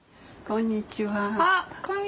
こんにちは。